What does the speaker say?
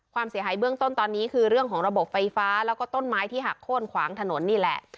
เสียหายเบื้องต้นตอนนี้คือเรื่องของระบบไฟฟ้าแล้วก็ต้นไม้ที่หักโค้นขวางถนนนี่แหละ